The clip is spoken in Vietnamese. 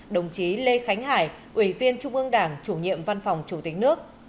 đồng chí lê khánh hải ủy viên trung ương đảng chủ nhiệm văn phòng chủ tịch nước